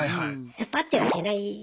やっぱあってはいけない。